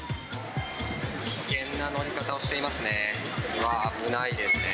危険な乗り方をしていますね。